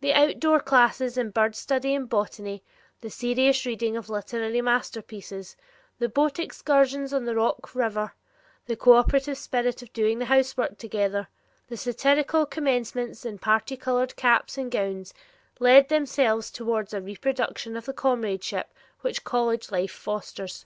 The outdoor classes in bird study and botany, the serious reading of literary masterpieces, the boat excursions on the Rock River, the cooperative spirit of doing the housework together, the satirical commencements in parti colored caps and gowns, lent themselves toward a reproduction of the comradeship which college life fosters.